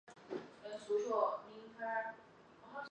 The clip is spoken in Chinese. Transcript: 哈里逊温泉原称圣雅丽斯泉其中一个女儿命名。